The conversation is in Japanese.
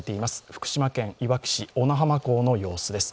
福島県いわき市小名浜港の様子です。